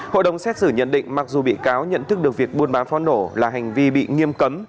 hội đồng xét xử nhận định mặc dù bị cáo nhận thức được việc buôn bán pháo nổ là hành vi bị nghiêm cấm